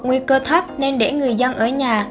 nguy cơ thấp nên để người dân ở nhà